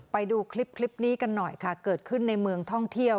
ไปดูคลิปนี้กันหน่อยค่ะเกิดขึ้นในเมืองท่องเที่ยว